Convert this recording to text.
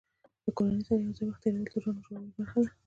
د کورنۍ سره یو ځای وخت تېرول د ژوند جوړولو برخه ده.